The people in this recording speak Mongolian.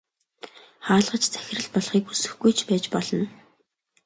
Хаалгач захирал болохыг хүсэхгүй ч байж болно.